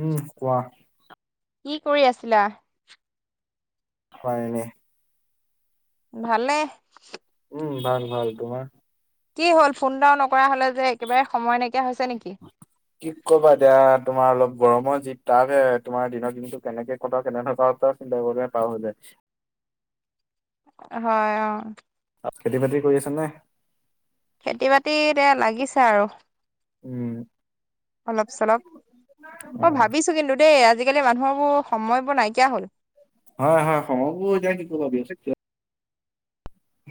উম, কোৱা? কি কৰি আছিলা? হয় এনেই। ভালে নে? উম ভাল ভাল, তোমাৰ? কি হল ফোন এটাও নকৰা হল যে একেবাৰে সময় নাইকিয়া হৈছে নেকি? কি কবা এতিয়া তোমাৰ অলপ গৰমৰ যি তাপহে, তোমাৰ দিনৰ দিনটো কেনেকে কটাও কেনে কৰা পাছত চিন্তা কৰিব পাৰ হৈ যাই। হয় অ খেতি বাতি কৰি আছে নে? খেতি বাতি এয়া লাগিছে আৰু। উম অলপ চলপ। অ মই ভাবিছো কিন্তু দেই আজি আজিকালি মানুহ বোৰ সময়বোৰ নাইকিয়া হ'ল। হয় হয়, সময়বোৰ এতিয়া কি কবা বি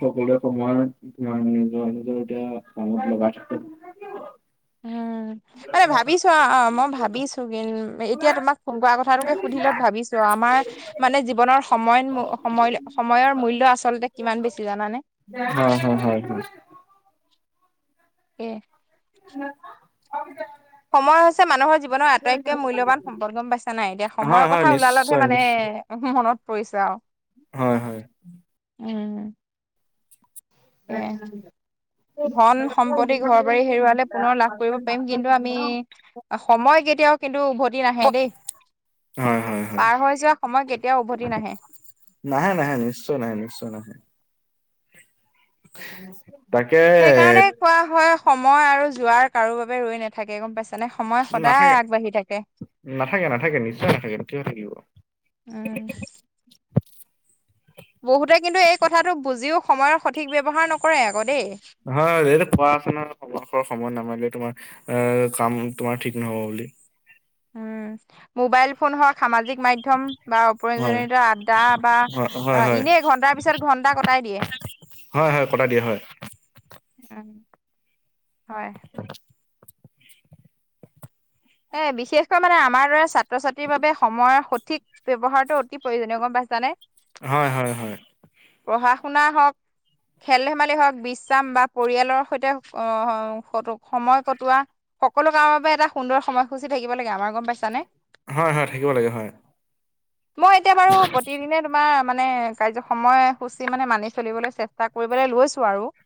সকলোৱে সময় ম নিজৰ নিজৰ এতিয়া কামত লগা থাকে। উম আৰে ভাবিছো অঁ মই ভাবিছো কি এতিয়া তোমাক ফোন কোৱা কথাটোকে সুধিলত ভাবিছো আমাৰ মানে জীৱনৰ সময় সময় সময়ৰ মূল্য আচলতে কিমান বেছি জানানে? হয় হয় হয় হয়। এ [inaudible] সময় হৈছে মানুহৰ জীৱনৰ আটাইতকৈ মূল্যবান সম্পদ, গম পাইছা নাই এতিয়া হয় সময়ৰ হয় কথা ওলালতহে নিশ্চয় মানে নিশ্চয় মনত পৰিছে আও। হয় হয়। উম। সেয়াই [inaudible] ধন সম্পত্তি ঘৰ বাৰী হেৰুৱালে পুনৰ লাভ কৰিব পাৰিম। কিন্তু আমি সময় কেতিয়াও কিন্তু উভতি নাহে দেই। হয় হয়। হয় পাৰ হৈ যোৱা সময় কেতিয়াও উভতি নাহে। নাহে নাহে নিশ্চয় নাহে নিশ্চয় নাহে। [unintelligible] সেইকাৰণে কোৱা হয় সময় আৰু যোৱাৰ কাৰো বাবে ৰৈ নাথাকে গম পাইছ [unintelligible] তেনে সময় সদায় নাথাকে আগবাঢ়ি থাকে। নাথাকে নাথাকে নিশ্চয় নাথাকে কিয় থাকিব [unintelligible] উম। [unintelligible] বহুতে কিন্তু এই কথাটো বুজিও সময়ৰ সঠিক ব্যৱহাৰ নকৰে আকৌ দেই। [unintelligible] হয় এইটো কোৱা আছে নহয় সময়ৰ হৰ সময়ত নামাৰিলে তোমাৰ অ কাম তোমাৰ ঠিক নহব বুলি। [unintelligible] উম! মোবাইল ফোন হওক, সামাজিক মাধ্যম বা হয় অপ্ৰয়োজনীয়তা আড্ডা বা [unintelligible] হয় অ হয় হয় এনেই ঘণ্টাৰ পিছত ঘণ্টা কটাই দিয়ে। [unintelligible] হয়-হয়, কটাই দিয়ে হয়। [unintelligible] উম [inaudible] হয়। এ বিশেষকৈ মানে আমাৰ দৰে ছাত্ৰ-ছাত্ৰীৰ বাবে সময়ৰ সঠিক [unintelligible] ব্যৱহাৰটো অতি প্ৰয়োজনীয় গম পাইছানে? [unintelligible] হয়-হয়-হয়। [unintelligible] পঢ়া-শুনা হওক [inaudible] খেল-ধেমালি হওক, বিশ্ৰাম বা পৰিয়ালৰ সৈতে [unintelligible] সময় কটোৱা। সকলো কামৰ বাবে এটা সুন্দৰ সময়সূচী থাকিব লাগে আমাৰ গম পাইছানে? [unintelligible] হয়-হয়, থাকিব লাগে হয়। [inaudible] মই এতিয়া বাৰু প্ৰতিদিনে [unintelligible] তোমাৰ মানে কাৰ্য্য সময়সূচী মানে মানি চলিবলৈ চেষ্টা কৰিবলৈ লৈছোঁ আৰু। [unintelligible]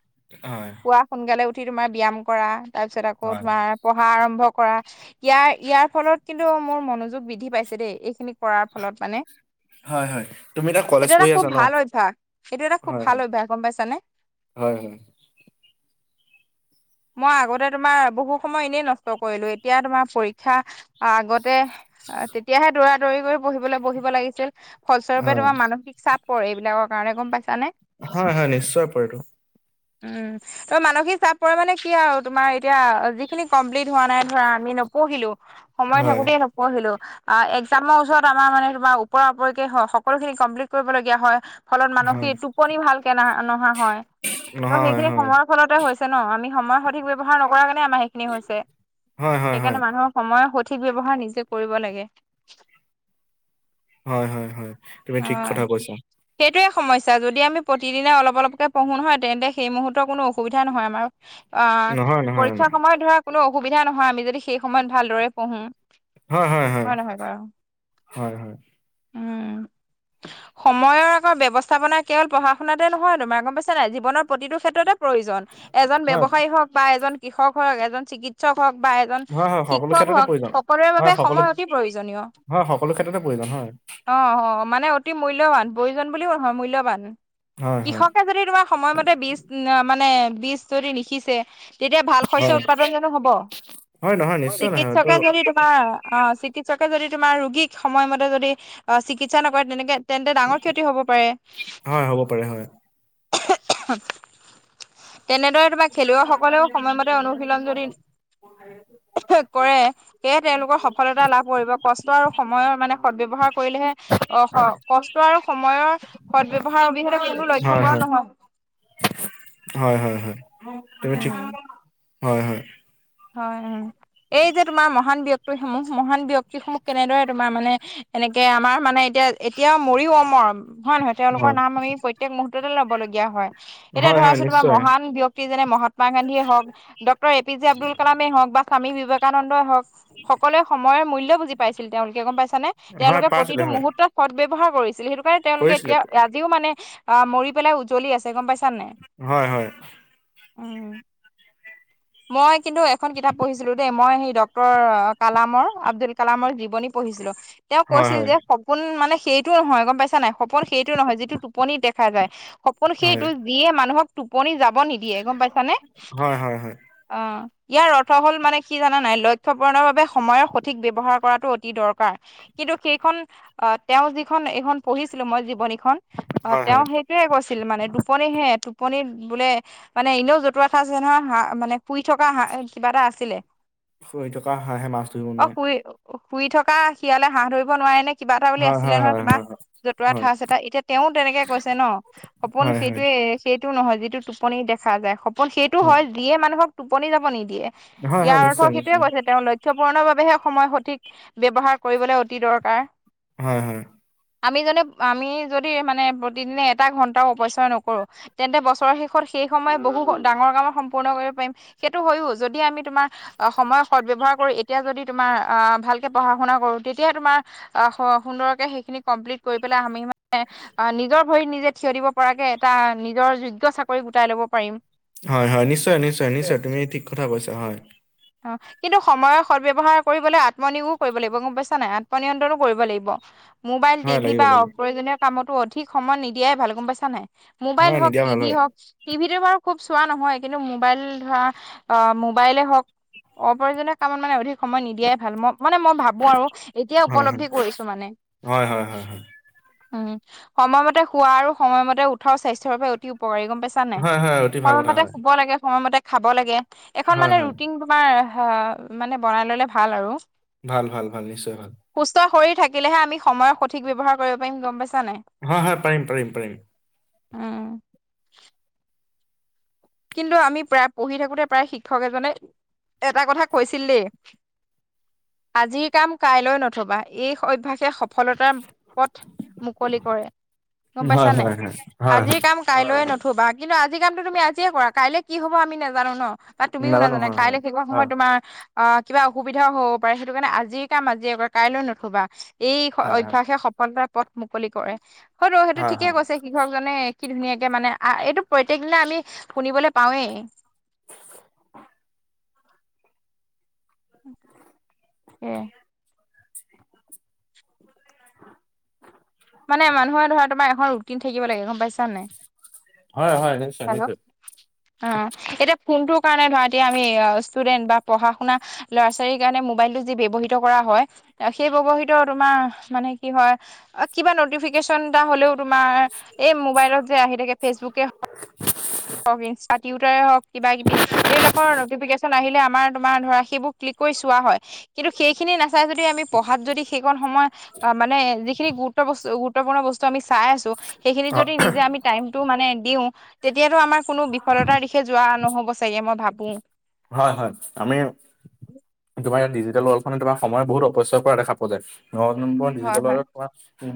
হয়। [inaudible] পুৱা সোনকালে উঠি তোমাৰ ব্যায়াম কৰা তাৰ পিছত আকৌ হয় তোমাৰ পঢ়া আৰম্ভ কৰা। [unintelligible] ইয়াৰ-ইয়াৰ ফলত কিন্তু মোৰ মনোযোগ বৃদ্ধি পাইছে দেই এইখিনি কৰাৰ ফলত মানে। হয় হয় তুমি এতিয়া [unintelligible] কলেজ সেইটো এটা পঢ়ি আছা খুব ন ভাল অভ্যাস। এইটো এটা খুব ভাল অভ্যাস গম পাইছানে? [unintelligible] হয়-হয়। [unintelligible] মই আগতে তোমাৰ বহু সময় এনেই নষ্ট কৰিলো। এতিয়া তোমাৰ [unintelligible] পৰীক্ষা আগতে তেতিয়াহে দৌৰা-দৌৰি কৰি পঢ়িবলৈ বহিব লাগিছিল। [unintelligible] ফলস্বৰূপে হয় তোমাৰ মানসিক চাপ পৰে, এইবিলাকৰ কাৰণে গম পাইছানে? [unintelligible] হয়-হয়, নিশ্চয় পৰেটো। [unintelligible] উম। [inaudible] ত মানসিক চাপ পৰে মানে কি আৰু তোমাৰ এতিয়া যিখিনি কমপ্লিট হোৱা নাই ধৰা আমি [unintelligible] নপঢ়িলো, সময় হয় থাকোঁতেই নপঢ়িলো। [unintelligible] আহ একজামৰ ওচৰত আমাৰ মানে তোমাৰ ওপৰা-ওপৰিকে হ‌ওক সকলোখিনি কমপ্লিট কৰিবলগীয়া হয়। [unintelligible] ফলত হয় মানসিক টোপনি ভালকে ন নহা হয়। ত' নহয় সেইখিনি হয় সময়ৰ ফলতে হৈছে ন আমি [unintelligible] সময়ৰ সঠিক ব্যৱহাৰ নকৰা কাৰণে আমাৰ সেইখিনি হৈছে। [unintelligible] হয় হয় হয় সেইকাৰণে মানুহৰ সময় সঠিক ব্যৱহাৰ নিজে কৰিব লাগে। [unintelligible] হয়-হয়-হয়, তুমি ঠিক কথা কৈছা। [unintelligible] সেইটোৱেই সমস্যা যদি আমি প্ৰতিদিনে অলপ-অলপকে পঢ়ো হয় তেন্তে সেই মুহূৰ্তৰ কোনো অসুবিধা নহয় আমাৰ। [unintelligible] অঁ! নহয় নহয় হয় পৰীক্ষাৰ সময়ত ধৰা কোনো অসুবিধা নহয় আমি যদি সেই সময়ত ভালদৰে পঢ়োঁ। [unintelligible] হয় নহয় বাৰু? হয় উম! [unintelligible] সময়ৰ আকৌ ব্যৱস্থাপনা কেৱল পঢ়া-শুনাতে নহয় তোমাৰ গম পাইছা নাই? জীৱনৰ প্ৰতিটো ক্ষেত্ৰতে [unintelligible] প্ৰয়োজন এজন হয় ব্যৱসায়ী হওক বা এজন কৃষক হওক, এজন চিকিৎস [unintelligible] চিকিৎসক হওক বা এজন হয় হয় সকলো শিক্ষক ক্ষেত্ৰতে হওক প্ৰয়োজন সকলোৰে হয় বাবে সকলো সময় অতি প্ৰয়োজনীয়। [unintelligible] হয়, সকলো ক্ষেত্ৰতে প্ৰয়োজন হয়। [inaudible] অঁ-অঁ মানে অতি মূল্যৱান, প্ৰয়োজন বুলিও নহয় মূল্যৱান। হয় হয় কৃষকে যদি তোমাৰ [unintelligible] সময়মতে বীজ [unintelligible] মানে বীজ যদি নিসিঁচে [inaudible] তেতিয়া ভাল শস্য হয় উৎপাদন যানো হ'ব হয় নহয় নিশ্চয় নহয় এইটো চিকিৎসকে যদি তোমাৰ অ চিকিৎসকে যদি তোমাৰ ৰোগীক সময়মতে যদি অ চিকিৎসা নকৰে তেনেকে তেন্তে ডাঙৰ ক্ষতি হ'ব পাৰে হয় হ'ব পাৰে হয় তেনেদৰে বা খেলুৱৈসকলেও সময়মতে অনুশীলন যদি কৰে সেয়ে তেওঁলোকৰ সফলতা লাভ কৰিব কষ্ট আৰু সময়ৰ মানে সদ ব্যৱহাৰ কৰিলেহে অ কষ্ট আৰু সময়ৰ সদ ব্যৱহাৰ অবিহনে কোনো লক্ষ্য হয় হয় পূৰণ নহ'ব হয় হয় হয় তুমি ঠিক উম হয় হয় হয় হয় এই যে তোমাৰ মহান ব্যক্তিসমূহ মহান ব্যক্তি সমূহ কেনেদৰে তোমাৰ মানে এনেকে আমাৰ মানে এতিয়া এতিয়া মৰিও অমৰ হয় নহয় তেওঁলোকৰ হয় নাম আমি প্ৰত্যেক মুহুৰ্ততে লব লগগীয়া হয় এতিয়া হয় হয় ধৰাছো তোমাৰ নিশ্চয় মহান ব্যক্তি যেনে মহাত্মা গান্ধীয়ে হওক doctor A P J Abdul কালামে হওক বা স্বামী বিবেকানন্দই হওক সকলোৱে সময়ৰ মূল্য বুজি পাইছিল তেওঁলোকে গম পাইছানে হয় তেওঁলোকে পাইছিলে প্ৰতিটো হয় মুহূৰ্তত সদ ব্যৱহাৰ কৰিছিল সেইটো কাৰণে তেওঁলোকে কৰিছিলে এতিয়া আজিও মানে অ মৰি পেলাই উজলি আছে গম পাইছা নে নাই হয় হয় উম মই কিন্তু এখন কিতাপ পঢ়িছিলো দেই মই সেই ডক্তৰ কালামৰ আব্দুল কালামৰ জীৱনী পঢ়িছিলো তেওঁ হয় কৈছিল হয় যে সপোন মানে সেইটো নহয় গম পাইছা নাই সপোন সেইটো নহয় যিটো টোপনি দেখা যায় সপোন হয় সেইটো যিয়ে মানুহক টোপনি যাব নিদিয়ে গম পাইছানে হয় হয় হয় অ ইয়াৰ অৰ্থ হল মানে কি জানা নাই লক্ষ্য পূৰণৰ বাবে সময়ৰ সঠিক ব্যৱহাৰ কৰাটো অতি দৰকাৰ কিন্তু সেইখন আহ তেওঁ যিখন এইখন পঢ়িছিলো মই জীৱনীখন আহ হয় তেওঁ হয় সেই টোৱে কৈছিল মানে টোপনি হে টোপন বোলে মানে এনেও জতুৱা ঠাঁচ আছে নহয় হা মানে শুই থকা হা এ কিবা এটা আছিলে শুই থকা হাঁহে মাছ ধৰিব অ নোৱাৰে শুই শুই থকা শিয়ালে হাঁহ ধৰিব নোৱাৰে নে কিবা এটা বুলি হয় আছিলে হয় নহয় হয় তোমাক হয় জতুৱা হয় ঠাঁচ এটা এতিয়া তেওঁ তেনেকে কৈছে ন সপোন হয় হয় সেইটোৱে সেইটো নহয় যিটো টোপনি দেখা যায় সপোন সেইটো হয় যিয়ে মানুহক টোপনি যাব নিদিয়ে হয় হয় ইয়াৰ অৰ্থ নিশ্চয় সেইটোয়ে নিশ্চয় কৈছে তেওঁলৈক লক্ষ্য পূৰণৰ বাবেহে সময় সঠিক ব্যৱহাৰ কৰিবলৈ অতি দৰকাৰ হয় হয় আমি যনে আমি যদি মানে প্ৰতিদিনে এটা ঘণ্টাও অপচয় নকৰো তেন্তে বছৰৰ শেষত সেই সময় বহু ডাঙৰ কামৰ সম পূৰ্ণ কৰিব পাৰিম সেইটো হয়ও যদি আমি তোমাৰ সময় সদ ব্যৱহাৰ কৰি এতিয়া যদি তোমাৰ আহ ভালকে পঢ়া শুনা কৰো তেতিয়া হে তোমাৰ আহ সুন্দৰকে সেইখিনি কম্লিট কৰি পেলাই আমি নিজৰ ভৰিত নিজে থিয় দিব পৰাকে এটা নিজৰ যোগ্য চাকৰি গোটাই লব পাৰিম হয় হয় নিশ্চয় নিশ্চয় নিশ্চয় তুমি ঠিক কথা কৈছা হয় অ কিন্তু সময়ৰ সদ্ব্যৱহাৰ কৰিবলে আত্মনিয়োগো কৰিব লাগিব গম পাইছা নাই আত্মনিয়ন্ত্ৰণো কৰিব লাগিব মোবাইল, হয় টিভি লাগিব বা লাগিব অপ্ৰয়োজনীয় কামতো অধিক সময় নিদিয়াই ভাল গম পাইছা নাই হয় মোবাইল হওক নিদিয়া ভাল টিভি হয় হওক টিভিতো বাৰু খুব চোৱা নহয় কিন্তু মোবাইল ধৰা, অঁ মোবাইলে হওক। অপ্ৰয়োজনীয় কামত মানে অধিক সময় নিদিয়াই ভাল, মই মানে মই ভাবো আৰু এতিয়া হয় হয় উপলব্ধি কৰিছো মানে। হয় হয় হয় হয়। উম, সময়মতে শোৱা আৰু সময়মতে উঠাও স্বাস্থ্যৰ পৰা অতি উপকাৰী গম পাইছে। ছানে নাই, হয়, হয়, অতি ভাল কথা সময়মতে হয়। শুব লাগে সময়মতে খাব লাগে, এখন হয়, মানে হয়, ৰুটিন তোমাৰ মানে বনাই ললে ভাল আৰু। ভাল ভাল ভাল নিশ্চয় ভাল। সুস্থ শৰীৰ থাকিলেহে আমি সময়ৰ সঠিক ব্যৱহাৰ কৰিব পাৰিম গম পাইছা নাই। হয় হয় পাৰিম পাৰিম পাৰিম। উম। কিন্তু আমি প্ৰায় পঢ়ি থাকোতে, প্ৰায় শিক্ষক এজনে এটা কথা কৈছিল দেই আজিৰ কাম কাইলৈ নথবা, এই অভ্যাসে সফলতাৰ পথ মুকলি কৰে গম হয়, পাইছা নাই, হয়, হয়, হয়, আজিৰ হয়, কাম কাইলৈ নথবা, কিন্তু আজি কামটো তুমি আজিয়ে কৰা। কাইলে কি হব আমি নাজানো ন। আৰু তুমিও নাজানো নাজানা, হয়, হয়, কাইলৈ সেইকণ হয়, সময়ত তোমাৰ অঁ, কিবা অসুবিধাও হ'ব পাৰে। সেইটো কাৰণে আজিৰ কাম আজি কৰা। কাইলৈ নথবা। এই হয়, হয়, অভ্যাসে সফলতাৰ পথ মুকলি কৰে, হয়তো সেইটো হয়, ঠিকে হয়, কৈছে। কৃষক জনে কি ধুনীয়াকে মানে আ এইটো প্ৰত্যেক দিনা আমি শুনিবলৈ পাওঁৱেই। এ মানে মানুহে ধৰা তোমাৰ এখন ৰুটিন থাকিব লাগে গম পাইছ ছানে নাই, হয়, হয়, নিশ্চয়, হেল্ল' নিশ্চয়। অঁ এতিয়া ফোনটোৰ কাৰণে ধৰা এতিয়া আমি ষ্টুডেন্ট বা পঢ়া শুনা ল'ৰা ছোৱালীৰ কাৰণে মোবাইলটো যি ব্যৱহৃত কৰা হয়। সেই ব্যৱহিত তোমাৰ মানে কি হয়? কিবা নটিফিকেশচন এটা হলেও তোমাৰ এই মোবাইলত যে আহি থাকে ফেচবুকে হওক ইনষ্টা টিউটাৰে হওক, কিবা কিবি এইবিলাকৰ নটিফিকেশ্যন আহিলে আমাৰ তোমাৰ ধৰা সেইবোৰ ক্লিক কৰি চোৱা হয়। কিন্তু সেইখিনি নাচাই যদি আমি পঢ়াত যদি সেইকণ সময় আঁহ মানে যিখিনি গুৰুত্ব বস্তু গুৰুত্বপূৰ্ণ বস্তু আমি চাই আছো, সেইখিনি হয়, যদি নিজে আমি টাইমটো মানে দিওঁ। তেতিয়াতটো আমাৰ কোনো বিফলতাৰ দিশে যোৱা নহ'ব চাগে, মই ভাবো হয় হয়, আমি তোমাৰ ইয়াত ডিজিটেল ৱৰ্ল্ খনে তোমাৰ বহুত অপচয় কৰা দেখা পোৱা যায়। ন নম্বৰ হয় ডিজিটেলৰ হয়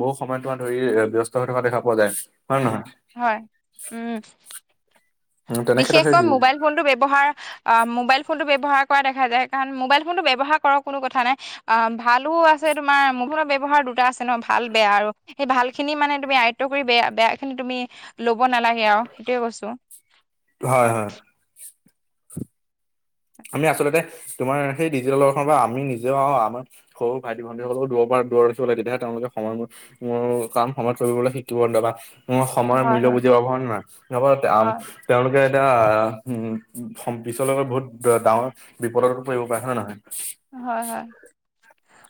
বহু সময় তোমাৰ ধৰি ব্যস্ত হৈ থকা দেখা পোৱা যায় হয় নে নহয়? হয় উম, উম, তেনে ক্ষেত্ৰত সেই বিশেষকৈ ডি- মোবাইল ফোনটো ব্যৱহাৰ অঁ, মোবাইল ফোনটো ব্যৱহাৰ কৰা দেখা যায়, কাৰণ মোবাইল ফোনটো ব্যৱহাৰ কৰক কোনো কথা নাই। অঁ ভালো আছে তোমাৰ মুঠতে ব্যবহাৰ দুটা আছে ন ভাল বেয়া আৰু। সেই ভাল খিনি মানে তুমি আয়ত্ব কৰি বেয়া বেয়া খিনি তুমি লব নালাগে আৰু, সেইটোয়ে কৈছো। হয় হয়। আমি আচলতে তোমাৰ সেই ডিজিটেলৱল্ড খনৰ পৰা আমি নিজেও আমাৰ সৰু ভাইটি ভণ্টী, সকলক দূৰৰপা দূৰত ৰাখিব লাগে, তেতিয়াহে তেওঁলোকে সময় ম উম, কাম সময়ত কৰিবলৈ শিকিব ন তাপা সময়ৰ হয় মূল্য হয় বুজি পাব হয়নে নহয় তাপা, আ হয়। তেওঁলোকে এতিয়া পিছলৈ গৈ বহুত ডাঙৰ বিপদতো পৰিব পাৰে হয় নে নহয়? হয় হয়।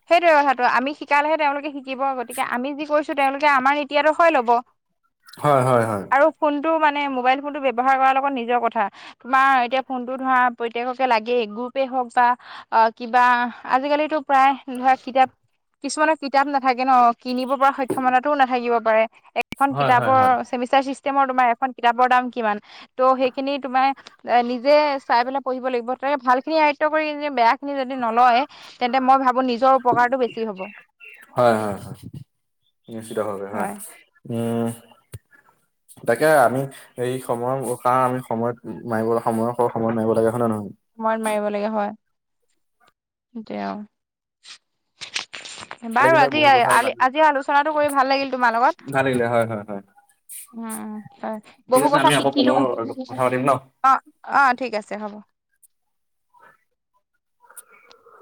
সেইটোৱেই কথাটো আমি শিকালেহে তেওঁলোকে শিকিব গতিকে আমি যি কৰিছোঁ তেওঁলোকে আমাৰ নিতি আদৰ্শই ল'ব [inaudible] হয় হয় হয় আৰু ফোনটো মানে মোবাইল ফোনটো ব্যৱহাৰ কৰাৰ লগত নিজৰ কথা তোমাৰ এতিয়া ফোনটো ধৰা প্ৰত্যেককেই লাগেই গ্ৰুপে হওক বা অ কিবা আজিকালিতো প্ৰায় ধৰা কিতাপ কিছুমানৰ কিতাপ নাথাকে ন কিনিব পৰা সক্ষমতাটোও নাথাকিব পাৰে এখন হয় হয় হয় কিতাপৰ হয় ছেমিছ ষ্টৰ চিষ্টেমৰ তোমাৰ এখন কিতাপৰ দাম কিমান ত সেইখিনি তোমাৰ নিজে চাই পেলাই পঢ়িব লাগিব তাকে ভাল খিনি আয়ত্ব কৰি নিজে বেয়া খিনি যদি নলয় তেন্তে মই ভাবো নিজৰ উপকাৰটো বেছি হ'ব হয় হয় হয় নিশ্চয়ভাবে হয় উম তাকে আমি এই সময়ৰ কাঁড় আমি সময়ত মাৰিব সময়ৰ সৰ সময়ত মাৰিব লাগে হয় না নহয় সময়ত মাৰিব লাগে হয় সেইটোৱেই আও ভাল বাৰু লাগিলে আজি বহুত কথা জানিলো আলি আলোচনাটো কৰি ভাল লাগিল তোমাৰ লগত ভাল লাগিলে হয় হয় হয় উম উম হয় ঠিক বহু আছে কথা আমি আকৌ শিকিলো পুনৰ কথা পাতিম ন অ অ ঠিক আছে হ'ব [inaudible]